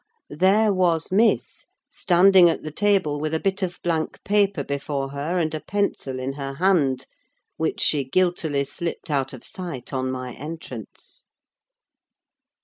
there was Miss standing at the table with a bit of blank paper before her and a pencil in her hand, which she guiltily slipped out of sight on my entrance.